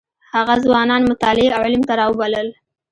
هغه ځوانان مطالعې او علم ته راوبلل.